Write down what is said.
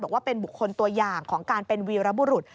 บอกว่าเป็นบุคคลตัวอย่างของการเป็นวีรบุรุษ